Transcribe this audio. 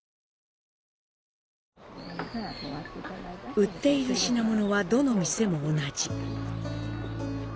売っている品物は、どの店も同じ。